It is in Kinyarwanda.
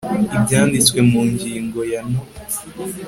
ibyanditswe mu ngingo ya no